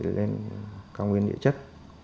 nên cao nguyên địa chất